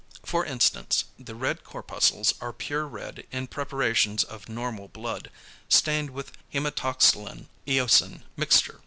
For instance, the red corpuscles are pure red in preparations of normal blood, stained with hæmatoxylin eosine mixture.